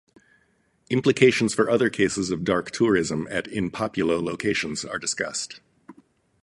Implications for other cases of dark tourism at "in populo" locations are discussed.